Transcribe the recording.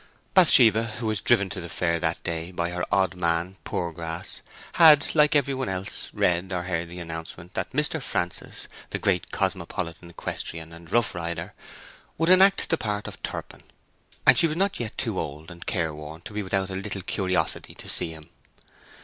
Bathsheba—who was driven to the fair that day by her odd man Poorgrass—had, like every one else, read or heard the announcement that Mr. Francis, the Great Cosmopolitan Equestrian and Roughrider, would enact the part of Turpin, and she was not yet too old and careworn to be without a little curiosity to see him.